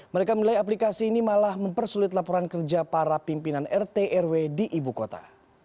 mereka menilai aplikasi ini malah mempersulit laporan kerja para pimpinan rt rw di ibu kota